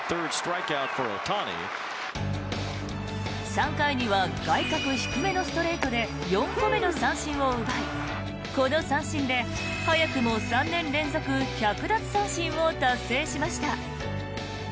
３回には外角低めのストレートで４個目の三振を奪いこの三振で早くも３年連続１００奪三振を達成しました。